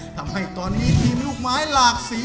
ทำให้ตอนนี้ทีมลูกไม้หลากสี